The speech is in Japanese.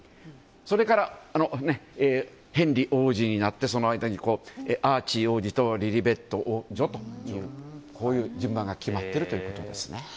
それから、ヘンリー王子になってその間にアーチー王子とリリベット王女という順番が決まってるということです。